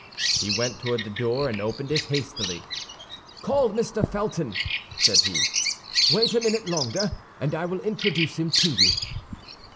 He went toward the door and opened it hastily. "Call Mr. Felton," said he. "Wait a minute longer, and I will introduce him to you."